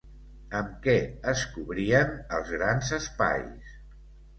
Amb què es cobrien els grans espais?